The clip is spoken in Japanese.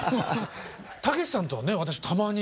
武史さんとはね私たまに。